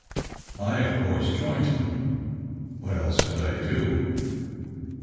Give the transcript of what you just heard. I, of course, joined him. What else could I do?